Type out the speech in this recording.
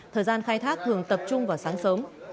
thời gian khai thác thường tập trung vào sáng sớm